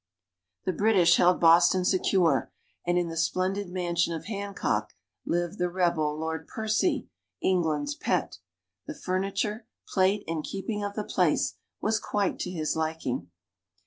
The British held Boston secure, and in the splendid mansion of Hancock lived the rebel, Lord Percy, England's pet. The furniture, plate and keeping of the place were quite to his liking.